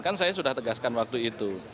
kan saya sudah tegaskan waktu itu